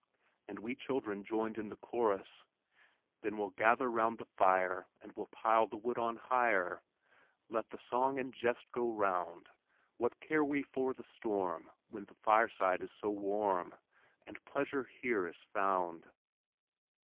and we children joined in the chorus: Then we'll gather round the fire And we'll pile the wood on higher, Let the song and jest go round; What care we for the storm, When the fireside is so warm, And pleasure here is found?